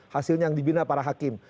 hasilnya yang dibina para hakim